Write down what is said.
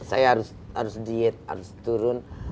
saya harus diet harus turun